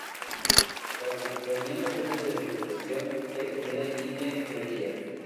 La Reunión depende de la importación de comida y de energía.